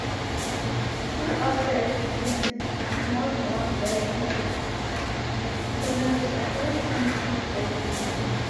Throughout their existence, Small Brown Bike have toured three times with Dead Season.